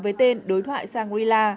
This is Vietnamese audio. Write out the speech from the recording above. với tên đối thoại shangri la